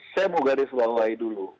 saya mau garis bawahi dulu